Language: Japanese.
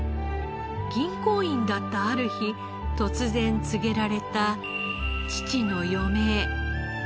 銀行員だったある日突然告げられた父の余命。